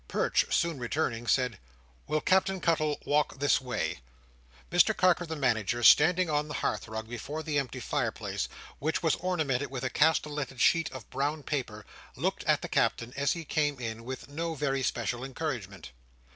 Perch, soon returning, said, "Will Captain Cuttle walk this way?" Mr Carker the Manager, standing on the hearth rug before the empty fireplace, which was ornamented with a castellated sheet of brown paper, looked at the Captain as he came in, with no very special encouragement.